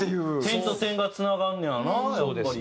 点と点がつながんねやなやっぱり。